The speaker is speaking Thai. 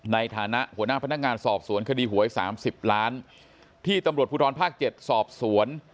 ในฐานะหัวหน้าพนักงานสอบสวนคดีหวย๓๐ล้านที่ตำรวจภูทรภาค๗สอบสวน